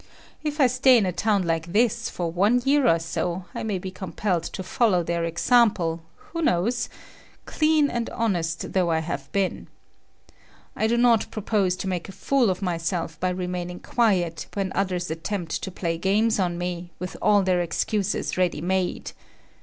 If I stay in a town like this for one year or so, I may be compelled to follow their example, who knows,—clean and honest though I have been. I do not propose to make a fool of myself by remaining quiet when others attempt to play games on me, with all their excuses ready made.